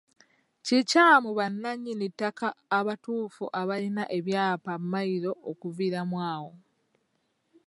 Kikyamu bannannyini ttaka abatuufu abalina ebyapa bya Mmayiro okuviiramu awo.